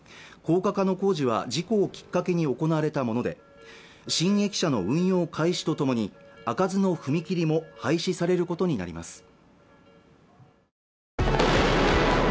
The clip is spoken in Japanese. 高架下の工事は事故をきっかけに行われたもので新駅舎の運用開始とともに開かずの踏切も廃止されることになります